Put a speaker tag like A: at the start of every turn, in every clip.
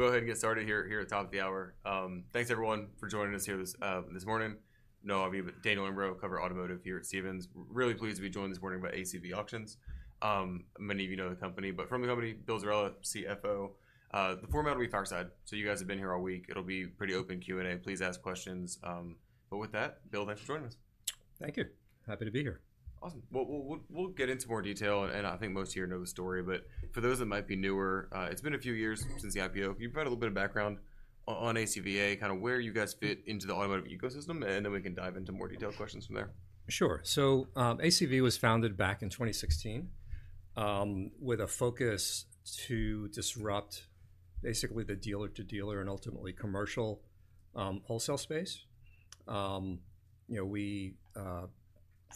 A: We'll go ahead and get started here, here at the top of the hour. Thanks everyone for joining us here this morning. No, I'm Daniel Imbro, cover Automotive here at Stephens. Really pleased to be joined this morning by ACV Auctions. Many of you know the company, but from the company, Bill Zerella, CFO. The format will be fireside, so you guys have been here all week. It'll be pretty open Q&A. Please ask questions. But with that, Bill, thanks for joining us.
B: Thank you. Happy to be here.
A: Awesome. Well, we'll get into more detail, and I think most here know the story, but for those that might be newer, it's been a few years since the IPO. Can you provide a little bit of background on ACV, kinda where you guys fit into the automotive ecosystem, and then we can dive into more detailed questions from there?
B: Sure. So, ACV was founded back in 2016, with a focus to disrupt basically the dealer to dealer and ultimately commercial, wholesale space. You know, we, for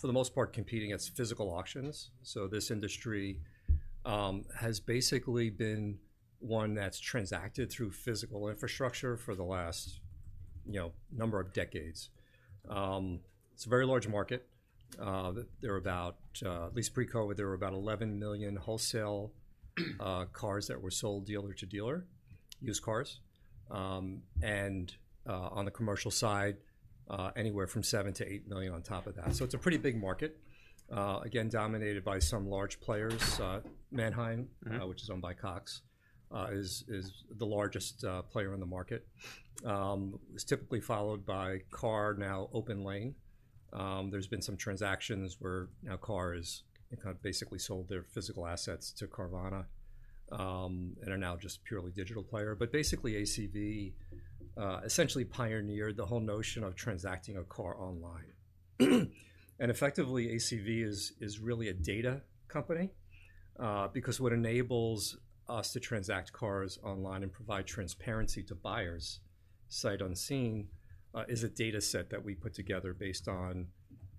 B: the most part, competing against physical auctions. So this industry, has basically been one that's transacted through physical infrastructure for the last, you know, number of decades. It's a very large market. There are about, at least pre-COVID, there were about 11 million wholesale, cars that were sold dealer to dealer, used cars. And, on the commercial side, anywhere from 7-8 million on top of that. So it's a pretty big market, again, dominated by some large players. Manheim
A: Mm-hmm
B: which is owned by Cox, is the largest player in the market. It's typically followed by KAR, now OpenLane. There's been some transactions where now KAR is kind of basically sold their physical assets to Carvana, and are now just purely digital player. But basically, ACV essentially pioneered the whole notion of transacting a car online. And effectively, ACV is really a data company, because what enables us to transact cars online and provide transparency to buyers sight unseen, is a data set that we put together based on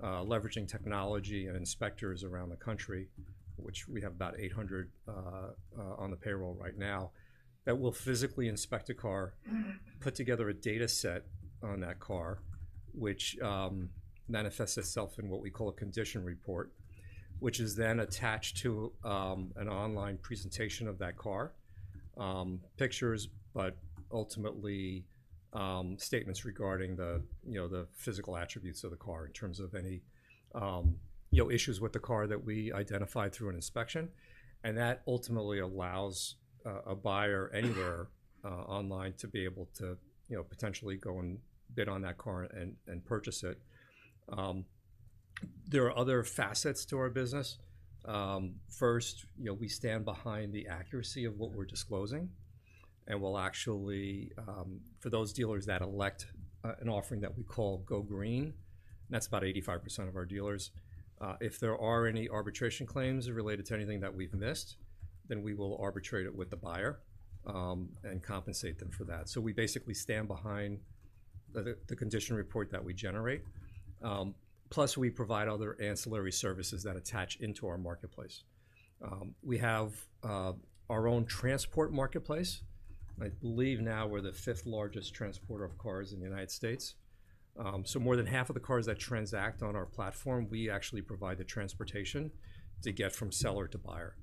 B: leveraging technology and inspectors around the country, which we have about 800 on the payroll right now, that will physically inspect a car, put together a data set on that car, which manifests itself in what we call a condition Report. Which is then attached to an online presentation of that car, pictures, but ultimately statements regarding the, you know, the physical attributes of the car in terms of any, you know, issues with the car that we identified through an inspection. And that ultimately allows a buyer anywhere online to be able to, you know, potentially go and bid on that car and purchase it. There are other facets to our business. First, you know, we stand behind the accuracy of what we're disclosing, and we'll actually for those dealers that elect an offering that we call Go Green, and that's about 85% of our dealers. If there are any arbitration claims related to anything that we've missed, then we will arbitrate it with the buyer and compensate them for that. So we basically stand behind the Condition Report that we generate. Plus, we provide other ancillary services that attach into our marketplace. We have our own transport marketplace. I believe now we're the fifth largest transporter of cars in the United States. So more than half of the cars that transact on our platform, we actually provide the transportation to get from seller to buyer.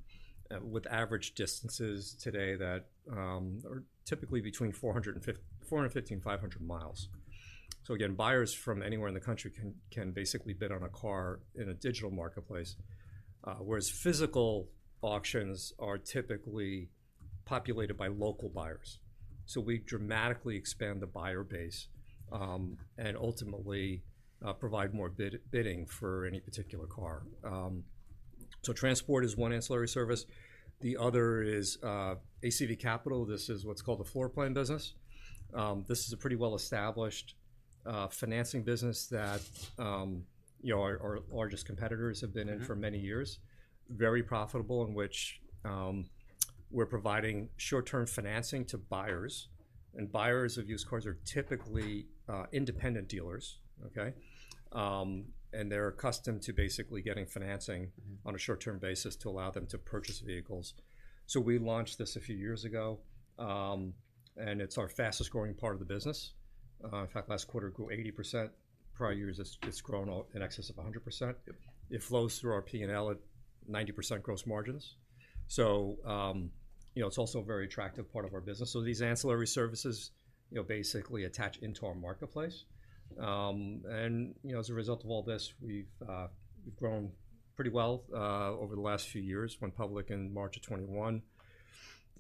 B: With average distances today that are typically between 415, 500 miles. So again, buyers from anywhere in the country can basically bid on a car in a digital marketplace, whereas physical auctions are typically populated by local buyers. So we dramatically expand the buyer base, and ultimately provide more bidding for any particular car. So transport is one ancillary service. The other is ACV Capital. This is what's called a floor plan business. This is a pretty well-established financing business that, you know, our largest competitors have been in
A: Mm-hmm
B: for many years. Very profitable, in which, we're providing short-term financing to buyers, and buyers of used cars are typically, independent dealers. Okay? And they're accustomed to basically getting financing
A: Mm-hmm
B: on a short-term basis to allow them to purchase vehicles. So we launched this a few years ago, and it's our fastest growing part of the business. In fact, last quarter it grew 80%. Prior years, it's grown in excess of 100%.
A: Yep.
B: It flows through our PNL at 90% gross margins. So, you know, it's also a very attractive part of our business. So these ancillary services, you know, basically attach into our marketplace. And, you know, as a result of all this, we've, we've grown pretty well, over the last few years, went public in March of 2021.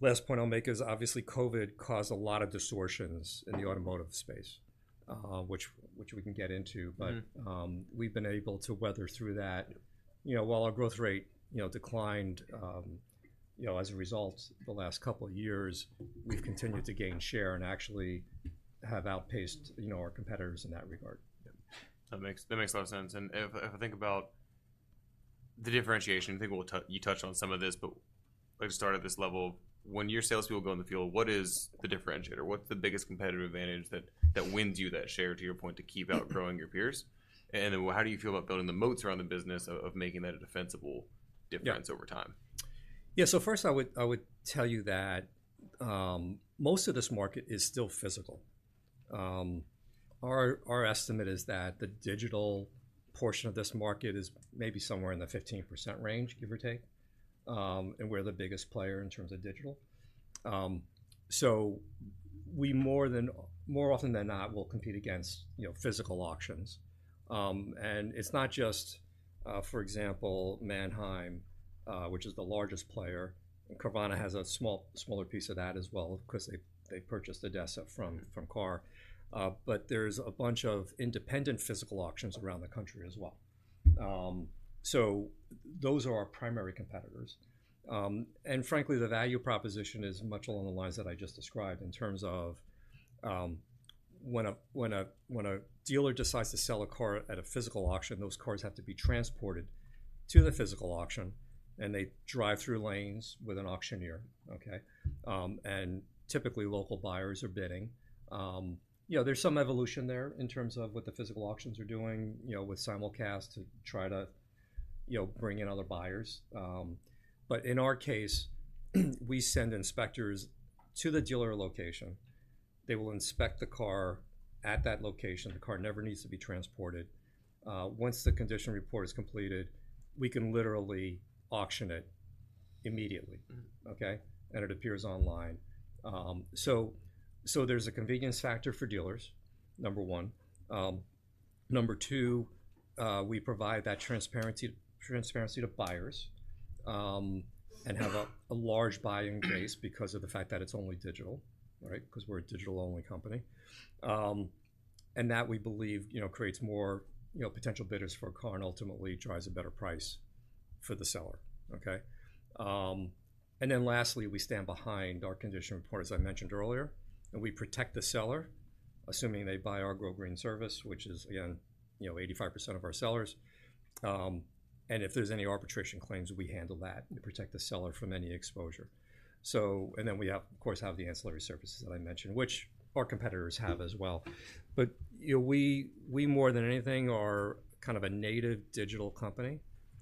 B: Last point I'll make is, obviously, COVID caused a lot of distortions in the automotive space, which, which we can get into.
A: Mm-hmm.
B: But, we've been able to weather through that. You know, while our growth rate, you know, declined, you know, as a result, the last couple of years, we've continued to gain share and actually have outpaced, you know, our competitors in that regard.
A: Yeah, that makes, that makes a lot of sense. And if, if I think about the differentiation, I think we'll touch, you touched on some of this, but like to start at this level, when your salespeople go in the field, what is the differentiator? What's the biggest competitive advantage that, that wins you that share, to your point, to keep outgrowing your peers? And then how do you feel about building the moats around the business of, of making that a defensible
B: Yeah
A: difference over time?
B: Yeah. So first, I would tell you that, most of this market is still physical. Our estimate is that the digital portion of this market is maybe somewhere in the 15% range, give or take. And we're the biggest player in terms of digital. So we more often than not will compete against, you know, physical auctions. And it's not just, for example, Manheim, which is the largest player. Carvana has a smaller piece of that as well. Of course, they purchased ADESA from KAR. But there's a bunch of independent physical auctions around the country as well. So those are our primary competitors. And frankly, the value proposition is much along the lines that I just described, in terms of, when a dealer decides to sell a car at a physical auction, those cars have to be transported to the physical auction, and they drive through lanes with an auctioneer, okay? And typically, local buyers are bidding. You know, there's some evolution there in terms of what the physical auctions are doing, you know, with Simulcast to try to, you know, bring in other buyers. But in our case, we send inspectors to the dealer location. They will inspect the car at that location. The car never needs to be transported. Once the Condition Report is completed, we can literally auction it immediately.
A: Mm-hmm.
B: Okay? And it appears online. So there's a convenience factor for dealers, number one. Number two, we provide that transparency to buyers, and have a large buying base because of the fact that it's only digital, right? Because we're a digital-only company. And that, we believe, you know, creates more, you know, potential bidders for a car, and ultimately drives a better price for the seller, okay? And then lastly, we stand behind our condition report, as I mentioned earlier, and we protect the seller, assuming they buy our Go Green service, which is again, you know, 85% of our sellers. And if there's any arbitration claims, we handle that, and protect the seller from any exposure. So, and then we have, of course, the ancillary services that I mentioned, which our competitors have as well. You know, we more than anything are kind of a native digital company.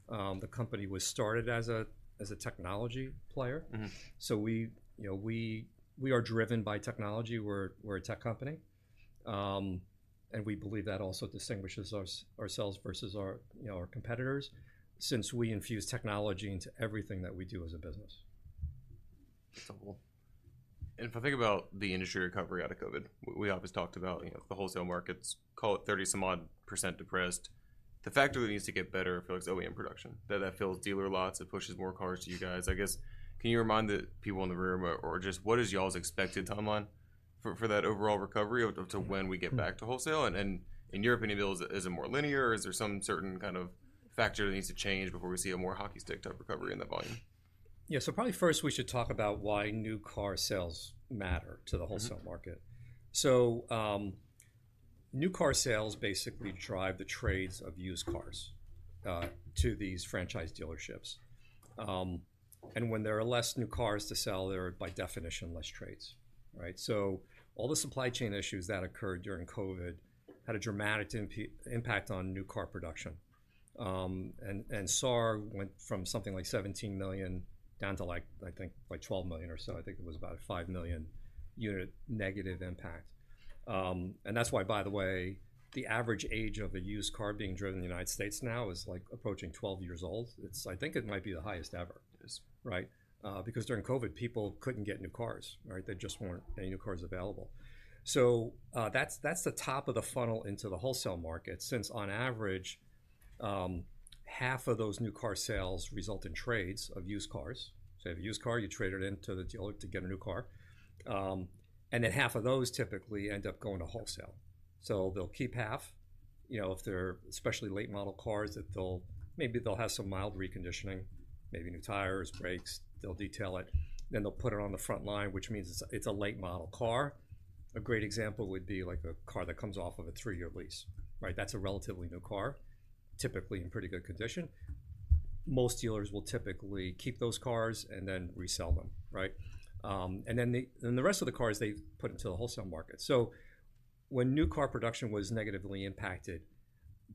B: The company was started as a technology player.
A: Mm-hmm.
B: We, you know, are driven by technology. We're a tech company. We believe that also distinguishes ourselves versus our competitors, you know, since we infuse technology into everything that we do as a business.
A: Cool. And if I think about the industry recovery out of COVID, we obviously talked about, you know, the wholesale markets, call it 30-some-odd% depressed. The factor that needs to get better for like OEM production, that fills dealer lots, it pushes more cars to you guys. I guess, can you remind the people in the room, or just what is y'all's expected timeline for, for that overall recovery, up to, to when we get back to wholesale? And, and in your opinion, Bill, is it, is it more linear, or is there some certain kind of factor that needs to change before we see a more hockey stick type recovery in the volume?
B: Yeah. Probably first, we should talk about why new car sales matter to the wholesale
A: Mm-hmm
B: market. So, new car sales basically drive the trades of used cars to these franchise dealerships. And when there are less new cars to sell, there are by definition, less trades, right? So all the supply chain issues that occurred during COVID had a dramatic impact on new car production. And SAR went from something like 17 million down to, like, I think, like 12 million or so. I think it was about a 5 million unit negative impact. And that's why, by the way, the average age of a used car being driven in the United States now is, like, approaching 12 years old. It's. I think it might be the highest ever.
A: It is.
B: Right? Because during COVID, people couldn't get new cars, right? There just weren't any new cars available. So, that's the top of the funnel into the wholesale market. Since on average, half of those new car sales result in trades of used cars. So if you have a used car, you trade it in to the dealer to get a new car. And then half of those typically end up going to wholesale. So they'll keep half, you know, if they're especially late model cars, that they'll maybe have some mild reconditioning, maybe new tires, brakes, they'll detail it, then they'll put it on the front line, which means it's a late model car. A great example would be, like, a car that comes off of a 3-year lease, right? That's a relatively new car, typically in pretty good condition. Most dealers will typically keep those cars and then resell them, right? And then the rest of the cars, they put into the wholesale market. So when new car production was negatively impacted,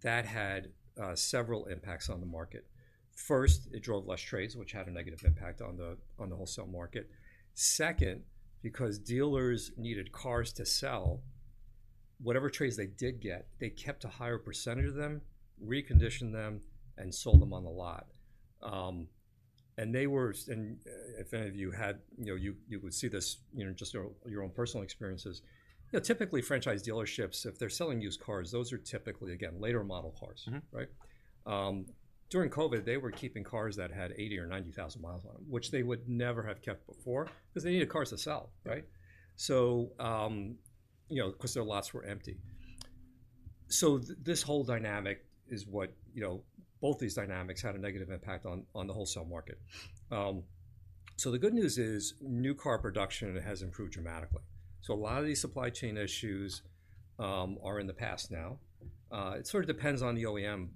B: that had several impacts on the market. First, it drove less trades, which had a negative impact on the wholesale market. Second, because dealers needed cars to sell, whatever trades they did get, they kept a higher percentage of them, reconditioned them, and sold them on the lot. And they were, and if any of you had, you know, you would see this, you know, just your own personal experiences. You know, typically, franchise dealerships, if they're selling used cars, those are typically, again, later model cars.
A: Mm-hmm.
B: Right? During COVID, they were keeping cars that had 80,000 or 90,000 miles on them, which they would never have kept before, because they needed cars to sell, right? So, you know, because their lots were empty. So this whole dynamic is what, you know, both these dynamics had a negative impact on, on the wholesale market. So the good news is, new car production, it has improved dramatically. So a lot of these supply chain issues are in the past now. It sort of depends on the OEM.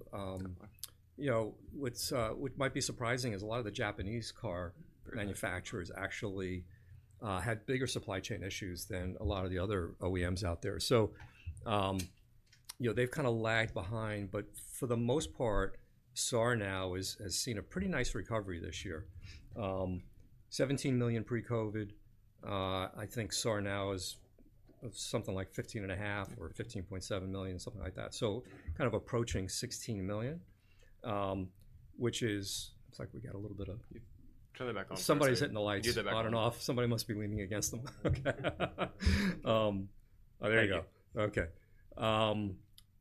B: You know, what's what might be surprising is, a lot of the Japanese car manufacturers actually had bigger supply chain issues than a lot of the other OEMs out there. So, you know, they've kind of lagged behind, but for the most part, SAR now has seen a pretty nice recovery this year. 17 million pre-COVID, I think SAR now is something like 15.5 million or 15.7 million, something like that. So kind of approaching 16 million, which is. Looks like we got a little bit of
A: Turn that back on.
B: Somebody's hitting the lights
A: Get that back on.
B: on and off. Somebody must be leaning against them. Okay. Oh, there you go.
A: Thank you.
B: Okay.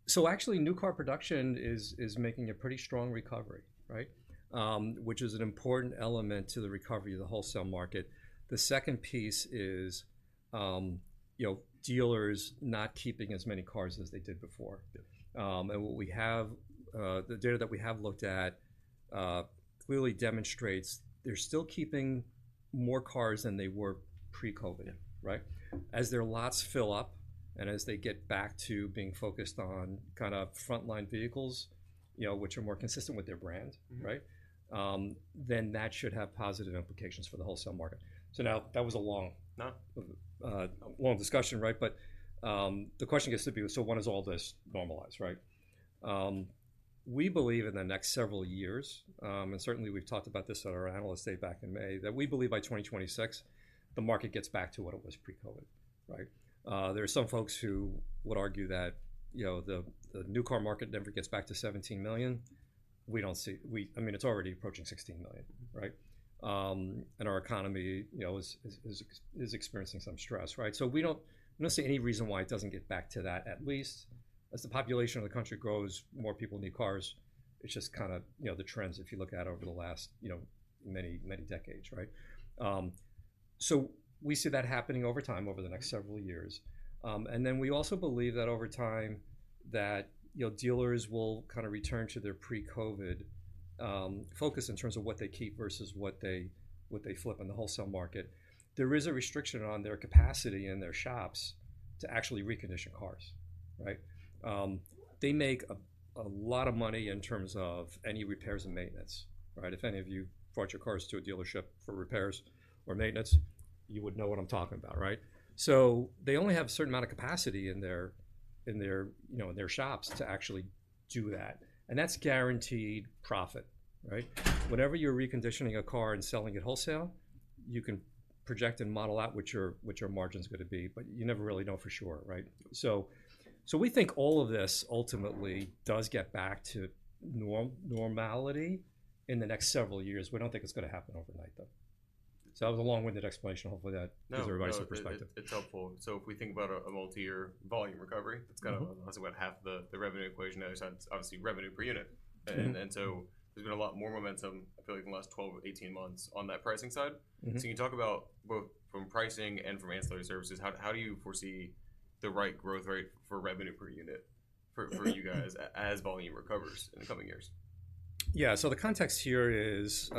B: So actually, new car production is making a pretty strong recovery, right? Which is an important element to the recovery of the wholesale market. The second piece is, you know, dealers not keeping as many cars as they did before.
A: Yeah.
B: What we have, the data that we have looked at, clearly demonstrates they're still keeping more cars than they were pre-COVID, right? As their lots fill up and as they get back to being focused on kind of frontline vehicles, you know, which are more consistent with their brand
A: Mm-hmm.
B: right? Then that should have positive implications for the wholesale market. So now, that was a long
A: No
B: long discussion, right? But, the question gets to be: so when does all this normalize, right? We believe in the next several years, and certainly we've talked about this at our Analyst Day back in May, that we believe by 2026, the market gets back to what it was pre-COVID, right? There are some folks who would argue that, you know, the, the new car market never gets back to 17 million. We don't see,, we I mean, it's already approaching 16 million, right? And our economy, you know, is experiencing some stress, right? So we don't, I don't see any reason why it doesn't get back to that, at least. As the population of the country grows, more people need cars. It's just kind of, you know, the trends, if you look at over the last, you know, many, many decades, right? So we see that happening over time, over the next several years. And then we also believe that over time, that, you know, dealers will kind of return to their pre-COVID focus in terms of what they keep versus what they, what they flip in the wholesale market. There is a restriction on their capacity in their shops to actually recondition cars, right? They make a lot of money in terms of any repairs and maintenance, right? If any of you brought your cars to a dealership for repairs or maintenance, you would know what I'm talking about, right? So they only have a certain amount of capacity in their, you know, in their shops to actually do that, and that's guaranteed profit, right? Whenever you're reconditioning a car and selling it wholesale, you can project and model out what your margin is gonna be, but you never really know for sure, right? So we think all of this ultimately does get back to normality in the next several years. We don't think it's gonna happen overnight, though. So that was a long-winded explanation. Hopefully, that-
A: No
B: gives everybody some perspective.
A: It's helpful. So if we think about a multi-year volume recovery-
B: Mm-hmm
A: That's kind of, that's about half the revenue equation. The other side, obviously, revenue per unit.
B: Mm-hmm.
A: There's been a lot more momentum, I feel like, in the last 12 or 18 months on that pricing side.
B: Mm-hmm.
A: Can you talk about both from pricing and from ancillary services, how do you foresee the right growth rate for revenue per unit for
B: Mm-hmm
A: you guys, as volume recovers in the coming years?
B: Yeah. So the context here is,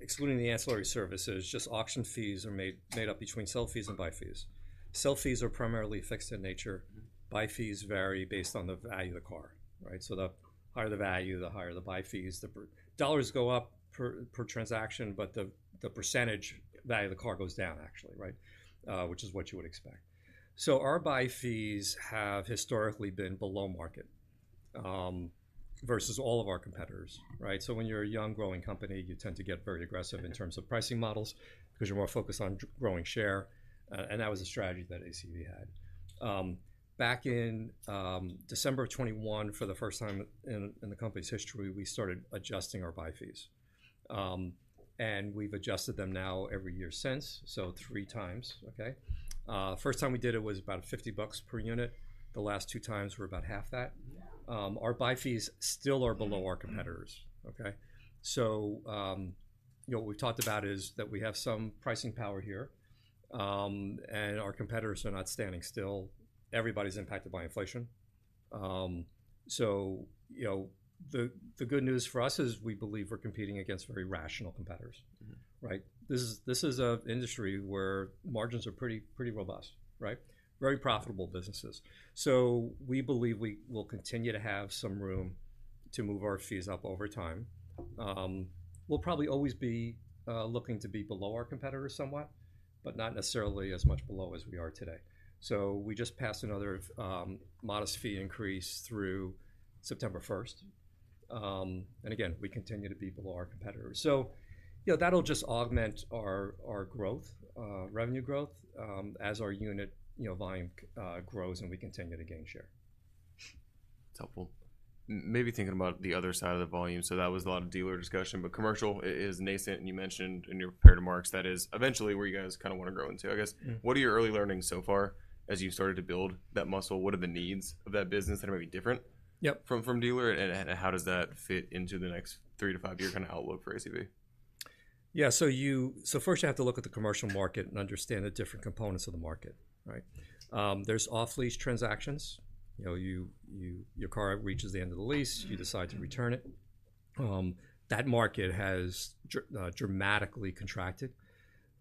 B: excluding the ancillary services, just auction fees are made up between sell fees and buy fees. Sell fees are primarily fixed in nature.
A: Mm-hmm.
B: Buy fees vary based on the value of the car, right? So the higher the value, the higher the buy fees. The Dollars go up per transaction, but the percentage value of the car goes down, actually, right? Which is what you would expect. So our buy fees have historically been below market, versus all of our competitors, right? So when you're a young, growing company, you tend to get very aggressive in terms of pricing models, because you're more focused on growing share, and that was a strategy that ACV had. Back in December of 2021, for the first time in the company's history, we started adjusting our buy fees. And we've adjusted them now every year since, so three times, okay? First time we did it was about $50 per unit. The last two times were about half that. Our buy fees still are below our competitors, okay? So, you know, what we've talked about is that we have some pricing power here, and our competitors are not standing still. Everybody's impacted by inflation. So you know, the good news for us is we believe we're competing against very rational competitors.
A: Mm-hmm.
B: Right? This is a industry where margins are pretty, pretty robust, right? Very profitable businesses. So we believe we will continue to have some room to move our fees up over time. We'll probably always be looking to be below our competitors somewhat, but not necessarily as much below as we are today. So we just passed another modest fee increase through September 1st. And again, we continue to be below our competitors. So, you know, that'll just augment our growth revenue growth as our unit volume grows, and we continue to gain share.
A: That's helpful. Maybe thinking about the other side of the volume, so that was a lot of dealer discussion, but commercial is nascent, and you mentioned in your prepared remarks, that is eventually where you guys kind of want to grow into, I guess.
B: Mm-hmm.
A: What are your early learnings so far as you've started to build that muscle? What are the needs of that business that may be different
B: Yep
A: from dealer, and how does that fit into the next three to five year kind of outlook for ACV?
B: Yeah, so first, you have to look at the commercial market and understand the different components of the market, right? There's off-lease transactions. You know, your car reaches the end of the lease
A: Mm-hmm
B: you decide to return it. That market has dramatically contracted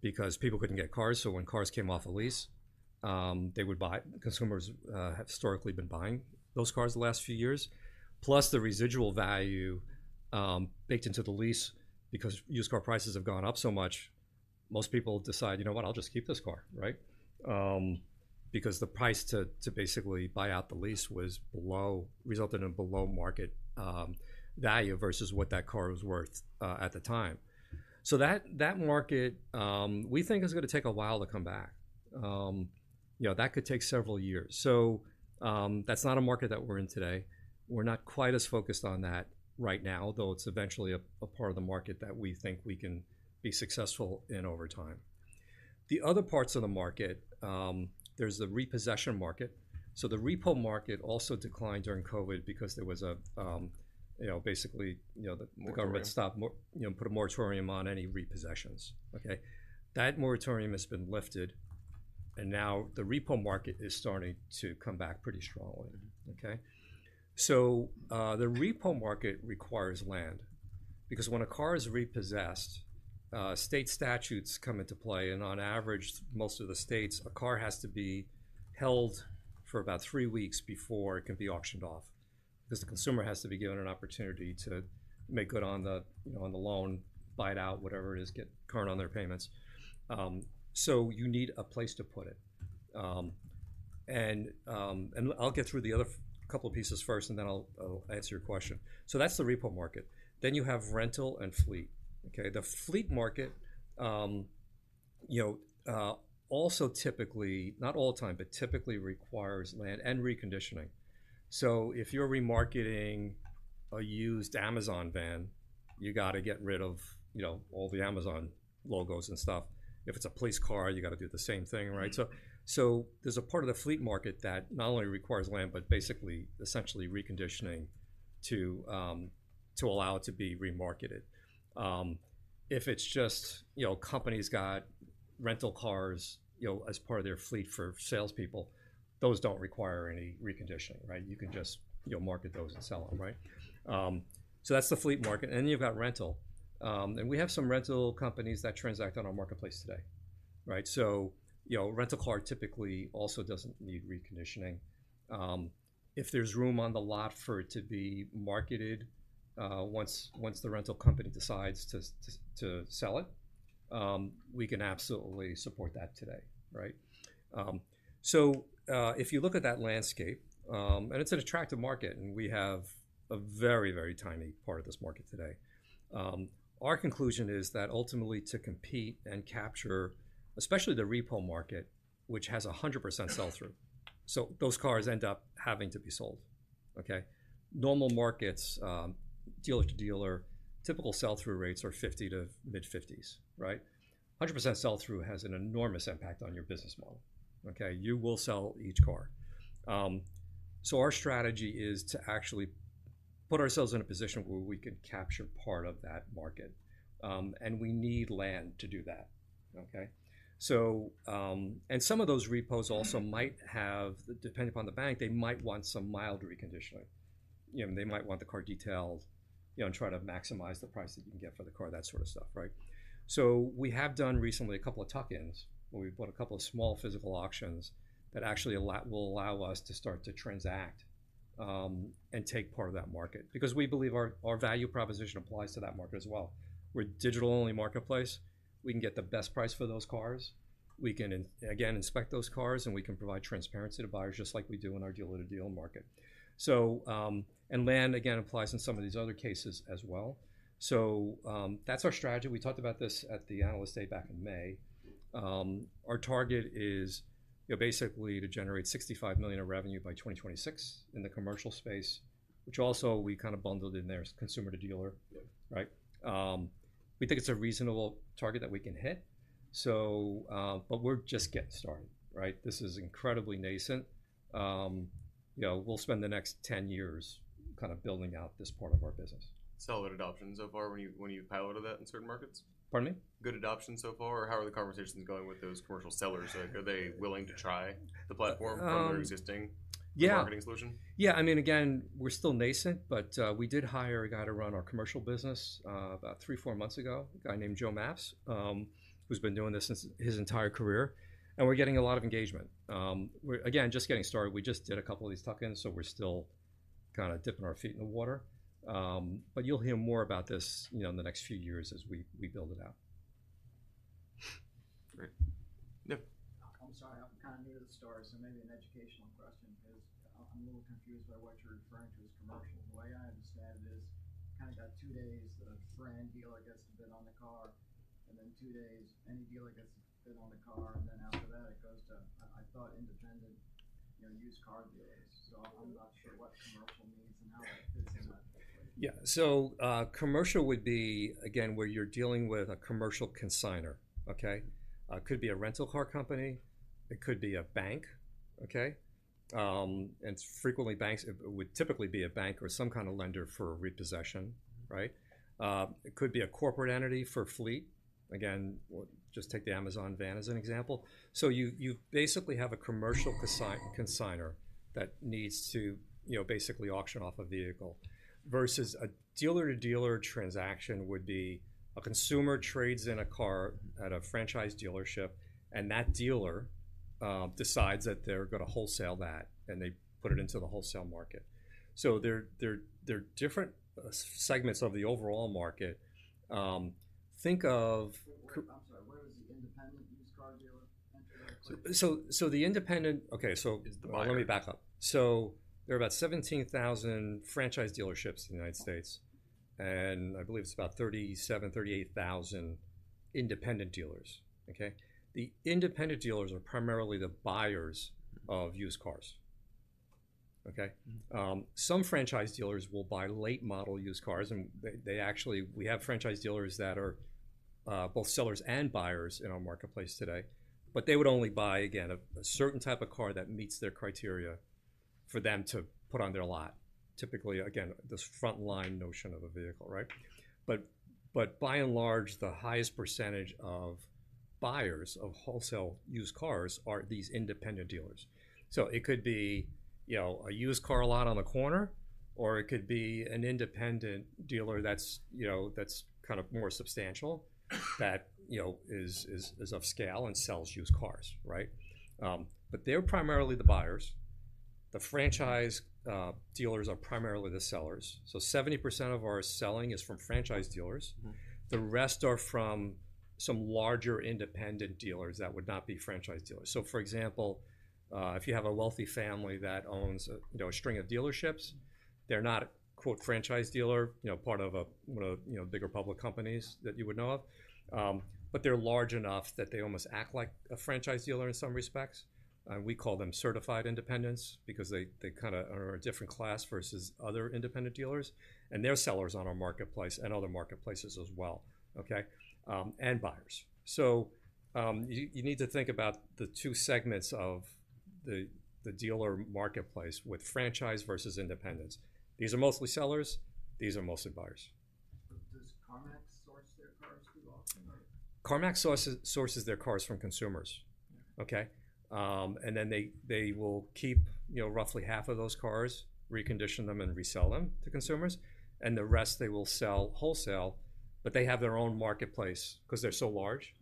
B: because people couldn't get cars. So when cars came off a lease, they would buy. Consumers have historically been buying those cars the last few years. Plus, the residual value baked into the lease because used car prices have gone up so much, most people decide, "You know what? I'll just keep this car," right? Because the price to basically buy out the lease was below, resulted in below-market value versus what that car was worth at the time. So that market, we think is gonna take a while to come back. You know, that could take several years. So, that's not a market that we're in today. We're not quite as focused on that right now, though it's eventually a part of the market that we think we can be successful in over time. The other parts of the market, there's the repossession market. So the repo market also declined during COVID because there was a you know, basically, you know, the
A: Moratorium
B: the government stopped, you know, put a moratorium on any repossessions, okay? That moratorium has been lifted, and now the repo market is starting to come back pretty strongly.
A: Mm-hmm.
B: Okay? So, the repo market requires land, because when a car is repossessed, state statutes come into play, and on average, most of the states, a car has to be held for about three weeks before it can be auctioned off. Because the consumer has to be given an opportunity to make good on the, you know, on the loan, buy it out, whatever it is, get current on their payments. So you need a place to put it. And I'll get through the other few couple pieces first, and then I'll answer your question. So that's the repo market. Then you have rental and fleet, okay? The fleet market, you know, also typically, not all the time, but typically requires land and reconditioning. So if you're remarketing a used Amazon van, you gotta get rid of, you know, all the Amazon logos and stuff. If it's a police car, you gotta do the same thing, right?
A: Mm-hmm.
B: So there's a part of the fleet market that not only requires land, but basically, essentially reconditioning to to allow it to be remarketed. If it's just, you know, company's got rental cars, you know, as part of their fleet for salespeople, those don't require any reconditioning, right?
A: Right.
B: You can just, you know, market those and sell them, right? So that's the fleet market, and then you've got rental. And we have some rental companies that transact on our marketplace today, right? So, you know, a rental car typically also doesn't need reconditioning. If there's room on the lot for it to be marketed, once the rental company decides to sell it, we can absolutely support that today, right? So, if you look at that landscape, and it's an attractive market, and we have a very, very tiny part of this market today. Our conclusion is that ultimately, to compete and capture, especially the repo market, which has a 100% sell-through, so those cars end up having to be sold, okay? Normal markets, dealer to dealer, typical sell-through rates are 50 to mid-50s, right? 100% sell-through has an enormous impact on your business model, okay? You will sell each car. So our strategy is to actually put ourselves in a position where we can capture part of that market, and we need land to do that, okay? So, and some of those repos also might have, depending upon the bank, they might want some mild reconditioning. You know, they might want the car detailed, you know, and try to maximize the price that you can get for the car, that sort of stuff, right? So we have done recently a couple of tuck-ins, where we've bought a couple of small physical auctions that actually will allow us to start to transact, and take part of that market. Because we believe our value proposition applies to that market as well. We're a digital-only marketplace. We can get the best price for those cars. We can inspect again those cars, and we can provide transparency to buyers, just like we do in our dealer-to-dealer market. So, and land, again, applies in some of these other cases as well. So, that's our strategy. We talked about this at the Analyst Day back in May. Our target is, you know, basically to generate $65 million of revenue by 2026 in the commercial space, which also we kind of bundled in there as consumer to dealer.
A: Yeah.
B: Right? We think it's a reasonable target that we can hit. So, but we're just getting started, right? This is incredibly nascent. You know, we'll spend the next 10 years kind of building out this part of our business.
A: Solid adoption so far when you've piloted that in certain markets?
B: Pardon me?
A: Good adoption so far, or how are the conversations going with those commercial sellers? Like, are they willing to try the platform
B: Um-
A: from their existing
B: Yeah
A: marketing solution?
B: Yeah, I mean, again, we're still nascent, but we did hire a guy to run our commercial business about three, four months ago, a guy named Joe Mappes, who's been doing this since his entire career, and we're getting a lot of engagement. We're, again, just getting started. We just did a couple of these tuck-ins, so we're still kind of dipping our feet in the water. But you'll hear more about this, you know, in the next few years as we, we build it out.
A: Great. Nick?
C: I'm sorry. I'm kind of new to the story, so maybe an educational question, because I'm a little confused by what you're referring to as commercial. The way I understand it is, kind of got two days that a brand dealer gets to bid on the car, and then two days, any dealer gets to bid on the car, and then after that, it goes to, I thought, independent, you know, used car dealers. So I'm not sure what commercial means and how that fits in that.
B: Yeah. So, commercial would be, again, where you're dealing with a commercial consignor, okay? Could be a rental car company, it could be a bank, okay? And frequently, banks, it would typically be a bank or some kind of lender for a repossession, right? It could be a corporate entity for a fleet. Again, we'll just take the Amazon van as an example. So you basically have a commercial consignor that needs to, you know, basically auction off a vehicle, versus a dealer-to-dealer transaction would be, a consumer trades in a car at a franchise dealership, and that dealer decides that they're going to wholesale that, and they put it into the wholesale market. So there are different segments of the overall market. Think of-
D: I'm sorry, where does the independent used car dealer enter that equation?
B: So, okay, so.
D: Is the buyer.
B: Well, let me back up. So there are about 17,000 franchise dealerships in the United States, and I believe it's about 37,000-38,000 independent dealers. Okay? The independent dealers are primarily the buyers of used cars. Okay?
D: Mm-hmm.
B: Some franchise dealers will buy late-model used cars, and they actually, we have franchise dealers that are both sellers and buyers in our marketplace today, but they would only buy, again, a certain type of car that meets their criteria for them to put on their lot. Typically, again, this frontline notion of a vehicle, right? But by and large, the highest percentage of buyers of wholesale used cars are these independent dealers. So it could be, you know, a used car lot on a corner, or it could be an independent dealer that's, you know, that's kind of more substantial, that you know, is of scale and sells used cars, right? But they're primarily the buyers. The franchise dealers are primarily the sellers. So 70% of our selling is from franchise dealers.
D: Mm-hmm.
B: The rest are from some larger independent dealers that would not be franchise dealers. For example, if you have a wealthy family that owns a, you know, a string of dealerships, they're not, quote, "franchise dealer," you know, part of a, one of, you know, bigger public companies that you would know of. But they're large enough that they almost act like a franchise dealer in some respects. We call them certified independents because they kind of are a different class versus other independent dealers, and they're sellers on our marketplace and other marketplaces as well, okay? And buyers. You need to think about the two segments of the dealer marketplace with franchise versus independents. These are mostly sellers. These are mostly buyers.
D: Does CarMax source their cars through auction or?
B: CarMax sources their cars from consumers.
D: Okay.
B: Okay? And then they will keep, you know, roughly half of those cars, recondition them, and resell them to consumers, and the rest they will sell wholesale. But they have their own marketplace. Because they're so large,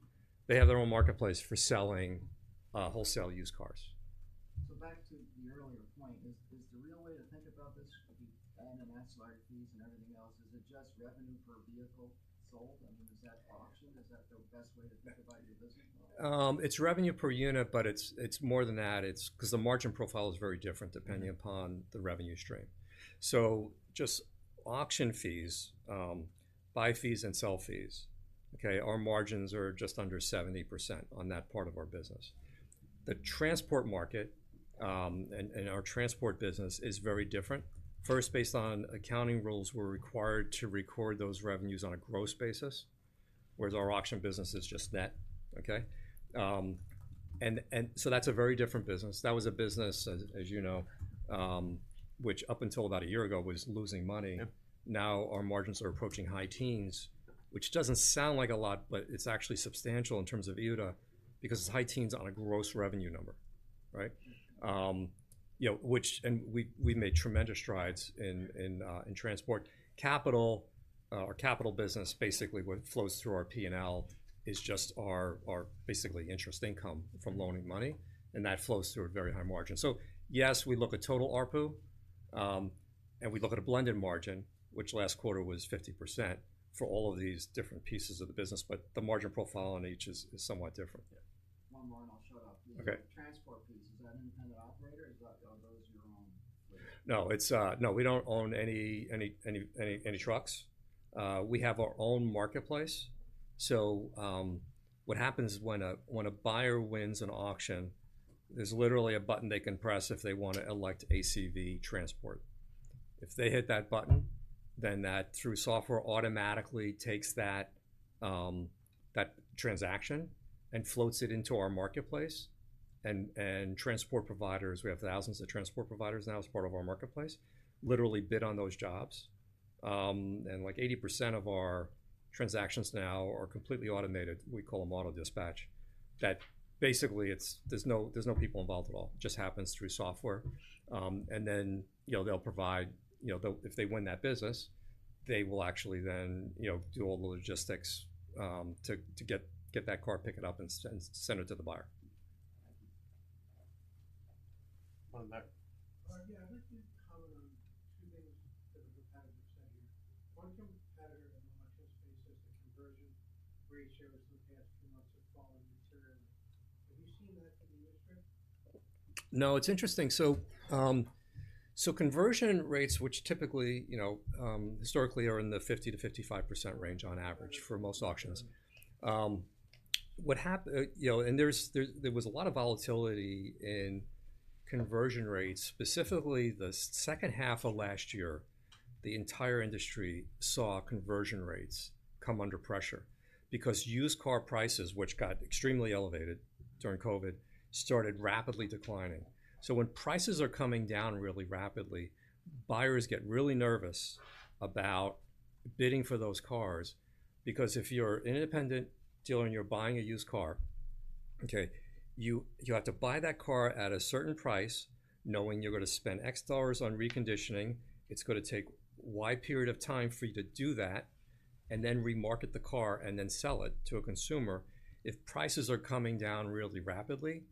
B: they have their own marketplace for selling wholesale used cars.
D: So back to your earlier point, is the real way to think about this, the NMS, fees, and everything else, is it just revenue per vehicle sold, and then is that auction? Is that the best way to think about your business model?
B: It's revenue per unit, but it's more than that. It's because the margin profile is very different-
D: Mm-hmm.
B: Depending upon the revenue stream. So just auction fees, buy fees and sell fees, okay? Our margins are just under 70% on that part of our business. The transport market, and our transport business is very different. First, based on accounting rules, we're required to record those revenues on a gross basis, whereas our auction business is just net. Okay? And so that's a very different business. That was a business, as you know, which up until about a year ago, was losing money.
D: Yep.
B: Now, our margins are approaching high teens, which doesn't sound like a lot, but it's actually substantial in terms of EBITDA because it's high teens on a gross revenue number, right? You know, and we've made tremendous strides in transport capital, our capital business. Basically, what flows through our P&L is just our interest income from loaning money, and that flows through a very high margin. So yes, we look at total ARPU, and we look at a blended margin, which last quarter was 50% for all of these different pieces of the business, but the margin profile on each is somewhat different.
D: Yeah. One more, and I'll shut up.
B: Okay.
D: The transport piece, is that an independent operator, or is that... Are those your own vehicles?
B: No, it's... No, we don't own any trucks. We have our own marketplace. So, what happens when a buyer wins an auction, there's literally a button they can press if they want to elect ACV Transport. If they hit that button, then that, through software, automatically takes that transaction and floats it into our marketplace. And transport providers, we have thousands of transport providers now as part of our marketplace, literally bid on those jobs. And like 80% of our transactions now are completely automated. We call them auto dispatch. That basically, it's, there's no people involved at all. It just happens through software. And then, you know, they'll provide, you know, the... If they win that business, they will actually then, you know, do all the logistics, to get that car, pick it up, and send it to the buyer.
D: One in the back.
E: Yeah. I'd like you to comment on two things that a competitor said here. One competitor in the auction space says the conversion ratio in the past few months have fallen materially. Have you seen that in the industry?
B: No, it's interesting. So, conversion rates, which typically, you know, historically are in the 50% to 55% range on average for most auctions.
E: Mm-hmm.
B: You know, and there was a lot of volatility in conversion rates, specifically the second half of last year. The entire industry saw conversion rates come under pressure because used car prices, which got extremely elevated during COVID, started rapidly declining. So when prices are coming down really rapidly, buyers get really nervous about bidding for those cars. Because if you're an independent dealer and you're buying a used car, okay, you have to buy that car at a certain price, knowing you're going to spend X dollars on reconditioning. It's going to take Y period of time for you to do that, and then remarket the car, and then sell it to a consumer. If prices are coming down really rapidly,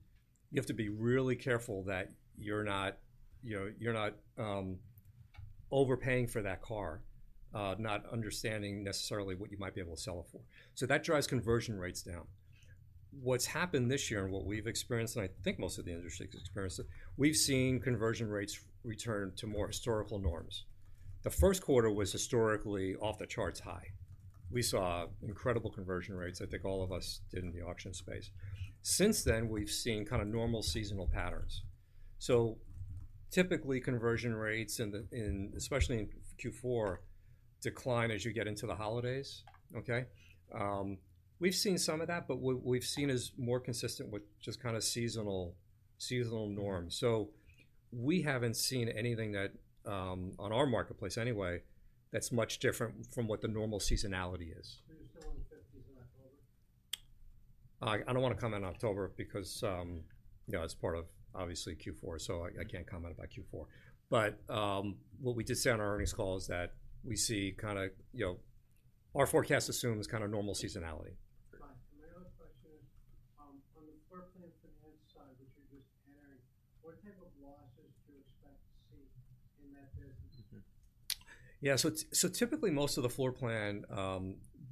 B: you have to be really careful that you're not, you know, you're not overpaying for that car, not understanding necessarily what you might be able to sell it for. So that drives conversion rates down. What's happened this year and what we've experienced, and I think most of the industry has experienced it, we've seen conversion rates return to more historical norms. The Q1 was historically off the charts high. We saw incredible conversion rates, I think all of us did in the auction space. Since then, we've seen kind of normal seasonal patterns. So typically, conversion rates in the, especially in Q4, decline as you get into the holidays. Okay? We've seen some of that, but what we've seen is more consistent with just kind of seasonal norms. We haven't seen anything that, on our marketplace anyway, that's much different from what the normal seasonality is.
E: You're still in the 50s in October?
B: I don't want to comment on October because, you know, that's part of obviously Q4, so I can't comment about Q4. But, what we did say on our earnings call is that we see kinda, you know. Our forecast assumes kind of normal seasonality.
E: Fine. And my other question is, on the floor plan financing side, which you're just entering, what type of losses do you expect to see in that business?
B: Yeah, so typically, most of the floor plan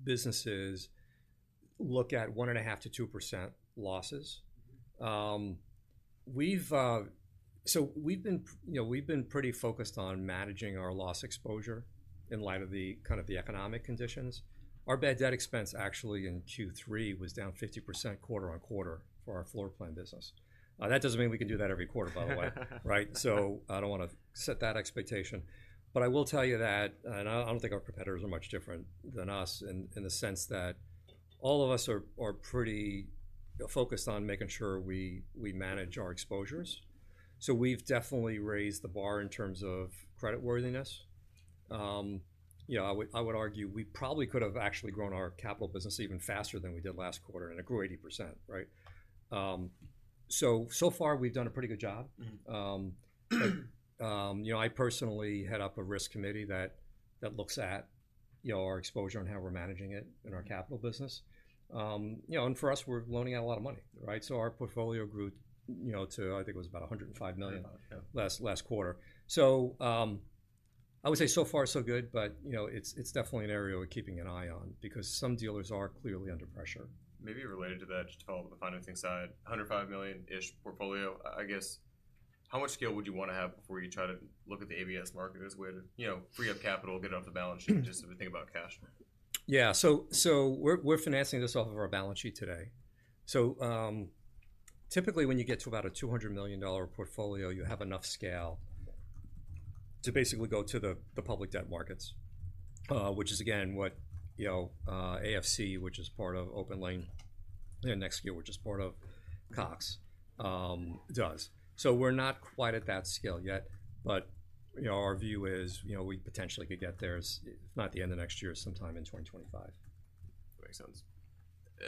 B: businesses look at 1.5% to 2% losses. So we've been, you know, pretty focused on managing our loss exposure in light of the, kind of the economic conditions. Our bad debt expense, actually, in Q3, was down 50% quarter-over-quarter for our floor plan business. That doesn't mean we can do that every quarter, by the way. Right? So I don't want to set that expectation. But I will tell you that, and I don't think our competitors are much different than us in the sense that all of us are pretty, you know, focused on making sure we manage our exposures. So we've definitely raised the bar in terms of creditworthiness. You know, I would, I would argue we probably could have actually grown our capital business even faster than we did last quarter, and it grew 80%, right? So far, we've done a pretty good job.
A: Mm-hmm.
B: You know, I personally head up a risk committee that looks at, you know, our exposure and how we're managing it-
A: Mm.
B: -in our capital business. You know, and for us, we're loaning out a lot of money, right? So our portfolio grew, you know, to, I think it was about $105 million
A: Yeah.
B: Last, last quarter. So, I would say so far, so good, but, you know, it's, it's definitely an area we're keeping an eye on because some dealers are clearly under pressure.
A: Maybe related to that, just to follow up on the financing side, $105 million-ish portfolio, I guess, how much scale would you want to have before you try to look at the ABS market as a way to, you know, free up capital, get it off the balance sheet-
B: Mm.
A: Just if we think about cash flow?
B: Yeah. So we're financing this off of our balance sheet today. So typically, when you get to about a $200 million portfolio, you have enough scale to basically go to the public debt markets. Which is again, what, you know, AFC, which is part of OPENLANE, and NextGear, which is part of Cox, does. So we're not quite at that scale yet, but, you know, our view is, you know, we potentially could get there, if not the end of next year, sometime in 2025.
A: Makes sense.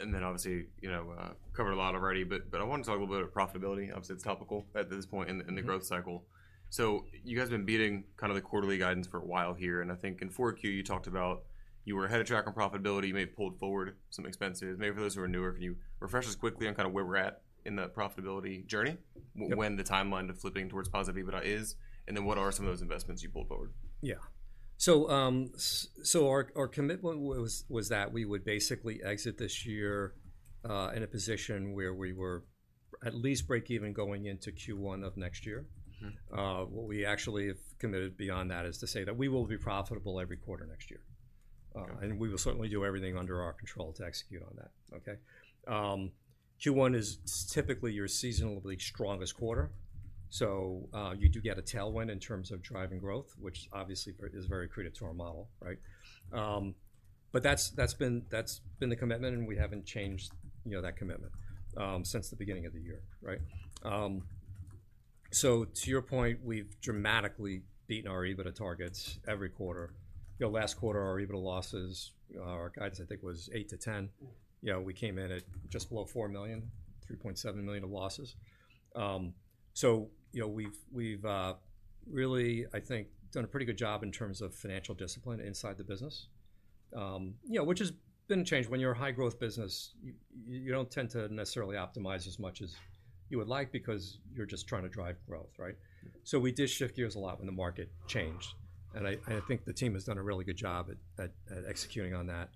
A: And then obviously, you know, covered a lot already, but I want to talk a little bit about profitability. Obviously, it's topical at this point in the-
B: Mm-hmm.
A: in the growth cycle. So you guys have been beating kind of the quarterly guidance for a while here, and I think in 4Q, you talked about you were ahead of track on profitability, you may have pulled forward some expenses. Maybe for those who are newer, can you refresh us quickly on kind of where we're at in that profitability journey?
B: Yep.
A: When the timeline to flipping towards positive EBITDA is, and then what are some of those investments you pulled forward?
B: Yeah. So, our commitment was that we would basically exit this year in a position where we were at least breakeven going into Q1 of next year.
A: Mm-hmm.
B: What we actually have committed beyond that is to say that we will be profitable every quarter next year.
A: Got it.
B: We will certainly do everything under our control to execute on that. Okay? Q1 is typically your seasonally strongest quarter, so you do get a tailwind in terms of driving growth, which is obviously very accretive to our model, right? But that's been the commitment, and we haven't changed, you know, that commitment since the beginning of the year, right? So to your point, we've dramatically beaten our EBITDA targets every quarter. You know, last quarter, our EBITDA losses, our guides, I think, was $8-$10.
A: Mm.
B: You know, we came in at just below $4 million, $3.7 million of losses. So you know, we've really, I think, done a pretty good job in terms of financial discipline inside the business. You know, which has been a change. When you're a high growth business, you don't tend to necessarily optimize as much as you would like because you're just trying to drive growth, right?
A: Mm-hmm.
B: So we did shift gears a lot when the market changed.
A: Mm.
B: And I think the team has done a really good job at executing on that.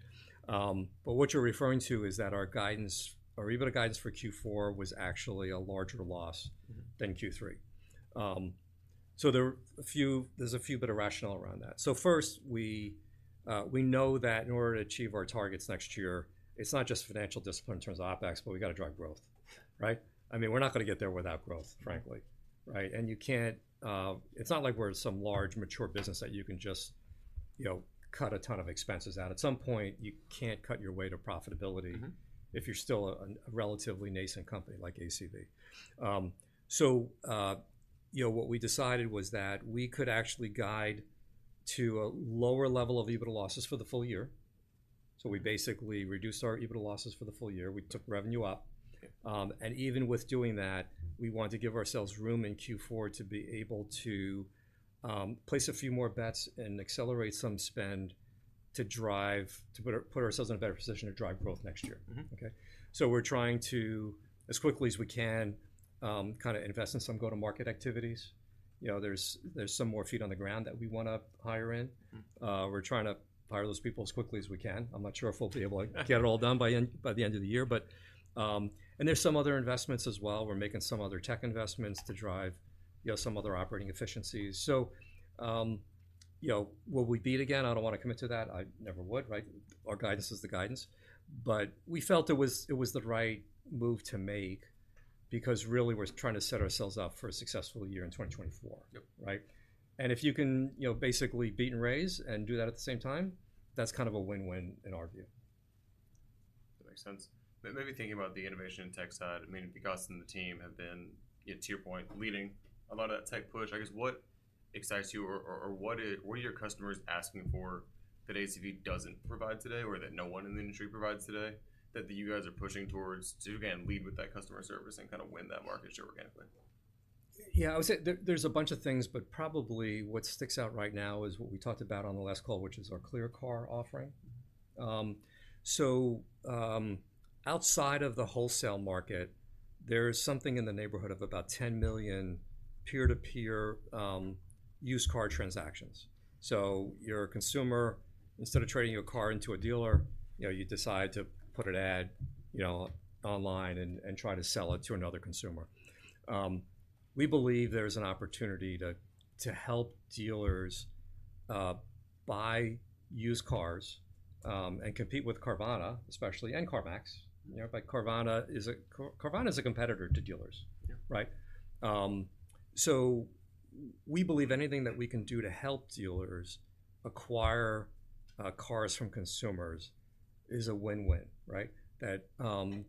B: But what you're referring to is that our guidance, our EBITDA guidance for Q4 was actually a larger loss.
A: Mm-hmm.
B: than Q3. So there are a few, there's a few bit of rationale around that. So first, we know that in order to achieve our targets next year, it's not just financial discipline in terms of OpEx, but we've got to drive growth, right? I mean, we're not going to get there without growth, frankly.
A: Mm-hmm.
B: Right? And you can't. It's not like we're some large, mature business that you can just, you know, cut a ton of expenses out. At some point, you can't cut your way to profitability-
A: Mm-hmm.
B: If you're still a relatively nascent company like ACV. So, you know, what we decided was that we could actually guide to a lower level of EBITDA losses for the full year. So we basically reduced our EBITDA losses for the full year. We took revenue up, and even with doing that, we wanted to give ourselves room in Q4 to be able to place a few more bets and accelerate some spend to drive to put ourselves in a better position to drive growth next year.
A: Mm-hmm.
B: Okay? So we're trying to, as quickly as we can, kind of invest in some go-to-market activities. You know, there's some more feet on the ground that we wanna hire in.
A: Mm.
B: We're trying to hire those people as quickly as we can. I'm not sure if we'll be able to get it all done by the end of the year, but there's some other investments as well. We're making some other tech investments to drive, you know, some other operating efficiencies. So, you know, will we beat again? I don't wanna commit to that. I never would, right? Our guidance is the guidance, but we felt it was, it was the right move to make because really, we're trying to set ourselves up for a successful year in 2024.
A: Yep.
B: Right? And if you can, you know, basically beat and raise, and do that at the same time, that's kind of a win-win in our view.
A: That makes sense. Maybe thinking about the innovation and tech side, I mean, because the team have been, you know, to your point, leading a lot of that tech push. I guess, what excites you, or what are your customers asking for that ACV doesn't provide today, or that no one in the industry provides today, that you guys are pushing towards to, again, lead with that customer service and kinda win that market share organically?
B: Yeah, I would say there, there's a bunch of things, but probably what sticks out right now is what we talked about on the last call, which is our ClearCar offering. So, outside of the wholesale market, there's something in the neighborhood of about 10 million peer-to-peer used car transactions. So you're a consumer, instead of trading your car into a dealer, you know, you decide to put an ad, you know, online and try to sell it to another consumer. We believe there's an opportunity to help dealers buy used cars and compete with Carvana, especially, and CarMax.
A: Mm-hmm.
B: You know, but Carvana is a competitor to dealers.
A: Yeah.
B: Right? So we believe anything that we can do to help dealers acquire cars from consumers is a win-win, right? That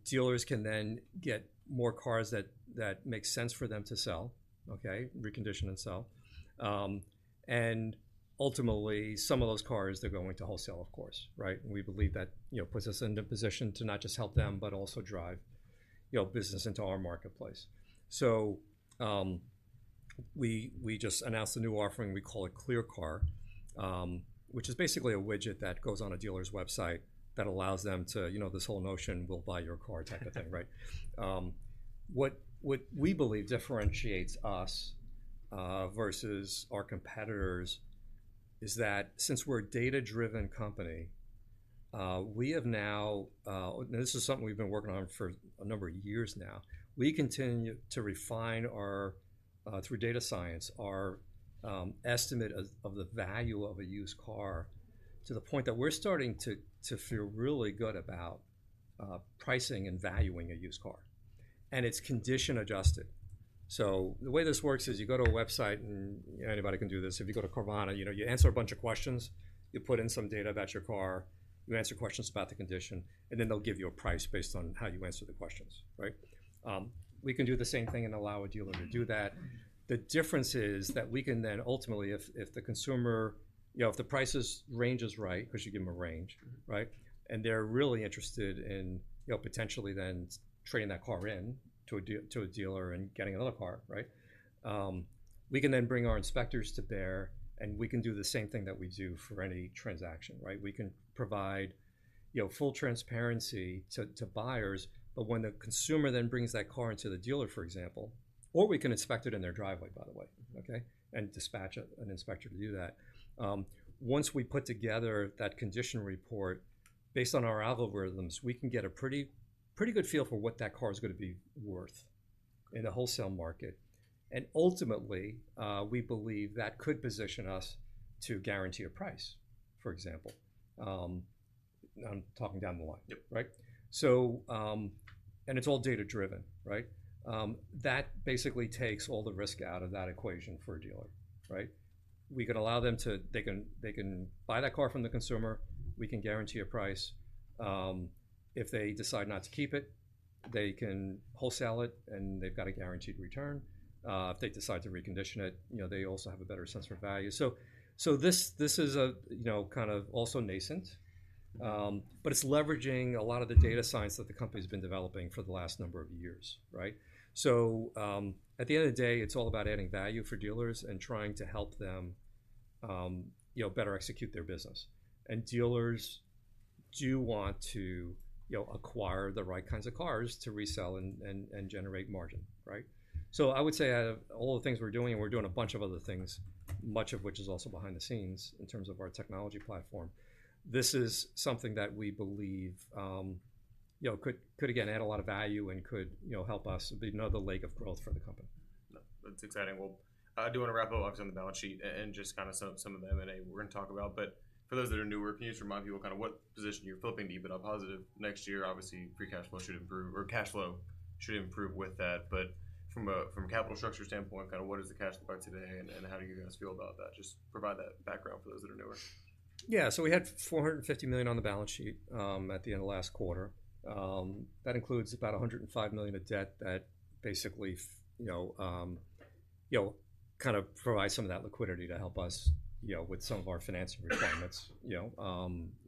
B: dealers can then get more cars that make sense for them to sell, okay? Recondition and sell. And ultimately, some of those cars, they're going to wholesale, of course, right? We believe that, you know, puts us in a position to not just help them, but also drive, you know, business into our marketplace. So, we just announced a new offering, we call it ClearCar, which is basically a widget that goes on a dealer's website, that allows them to you know, this whole notion, "We'll buy your car," type of thing. Right? What we believe differentiates us versus our competitors is that since we're a data-driven company, we have now... This is something we've been working on for a number of years now. We continue to refine our estimate through data science of the value of a used car, to the point that we're starting to feel really good about pricing and valuing a used car, and it's condition adjusted. So the way this works is, you go to a website and, you know, anybody can do this, if you go to Carvana, you know, you answer a bunch of questions, you put in some data about your car, you answer questions about the condition, and then they'll give you a price based on how you answer the questions, right? We can do the same thing and allow a dealer to do that. The difference is that we can then ultimately, if the consumer... You know, if the prices range is right, because you give them a range
A: Mm-hmm.
B: Right? And they're really interested in, you know, potentially then trading that car in to a dealer, and getting another car, right? We can then bring our inspectors to bear, and we can do the same thing that we do for any transaction, right? We can provide, you know, full transparency to buyers. But when the consumer then brings that car into the dealer, for example, or we can inspect it in their driveway, by the way, okay? And dispatch an inspector to do that. Once we put together that condition report, based on our algorithms, we can get a pretty, pretty good feel for what that car is gonna be worth in the wholesale market. And ultimately, we believe that could position us to guarantee a price, for example. I'm talking down the line.
A: Yep.
B: Right? So, and it's all data driven, right? That basically takes all the risk out of that equation for a dealer, right? We can allow them to. They can, they can buy that car from the consumer, we can guarantee a price. If they decide not to keep it, they can wholesale it, and they've got a guaranteed return. If they decide to recondition it, you know, they also have a better sense for value. So, so this, this is a, you know, kind of also nascent
A: Mm-hmm.
B: but it's leveraging a lot of the data science that the company's been developing for the last number of years, right? So, at the end of the day, it's all about adding value for dealers and trying to help them, you know, better execute their business. And dealers do want to, you know, acquire the right kinds of cars to resell and, and, and generate margin, right? So I would say, out of all the things we're doing, and we're doing a bunch of other things, much of which is also behind the scenes in terms of our technology platform, this is something that we believe, you know, could, could, again, add a lot of value and could, you know, help us be another leg of growth for the company.
A: That's exciting. Well, I do wanna wrap up on the balance sheet and, and just kind of some, some of the M&A we're gonna talk about. But for those that are newer, can you just remind people kind of what position you're flipping EBITDA positive? Next year, obviously, free cash flow should improve, or cash flow should improve with that. But from a, from a capital structure standpoint, kind of what is the cash flow today, and, and how do you guys feel about that? Just provide that background for those that are newer.
B: Yeah. So we had $450 million on the balance sheet at the end of last quarter. That includes about $105 million of debt that basically you know kind of provide some of that liquidity to help us, you know, with some of our financing requirements. You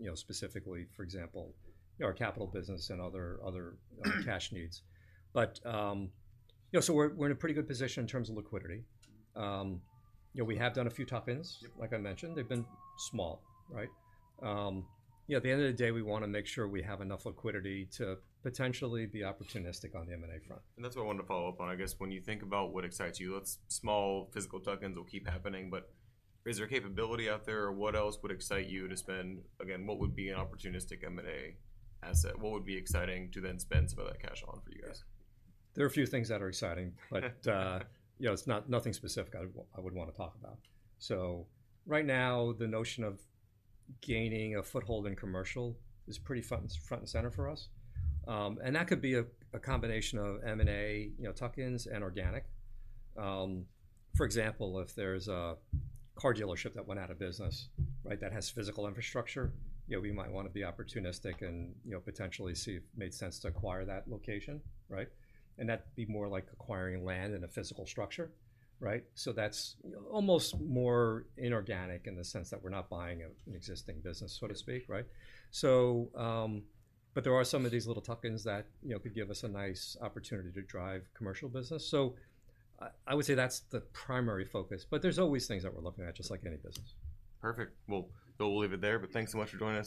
B: know, specifically, for example, our capital business and other, other, other cash needs. But, you know, so we're, we're in a pretty good position in terms of liquidity. You know, we have done a few tuck-ins.
A: Yep.
B: Like I mentioned, they've been small, right? You know, at the end of the day, we wanna make sure we have enough liquidity to potentially be opportunistic on the M&A front.
A: That's what I wanted to follow up on. I guess when you think about what excites you, those small physical tuck-ins will keep happening, but is there capability out there, or what else would excite you to spend? Again, what would be an opportunistic M&A asset? What would be exciting to then spend some of that cash on for you guys?
B: There are a few things that are exciting but, you know, it's not nothing specific I would wanna talk about. So right now, the notion of gaining a foothold in commercial is pretty front and center for us. And that could be a combination of M&A, you know, tuck-ins and organic. For example, if there's a car dealership that went out of business, right, that has physical infrastructure, you know, we might wanna be opportunistic and, you know, potentially see if it made sense to acquire that location, right? And that'd be more like acquiring land and a physical structure, right? So that's almost more inorganic in the sense that we're not buying an existing business, so to speak, right? So, but there are some of these little tuck-ins that, you know, could give us a nice opportunity to drive commercial business. So I would say that's the primary focus, but there's always things that we're looking at, just like any business.
A: Perfect. Well, we'll leave it there, but thanks so much for joining us.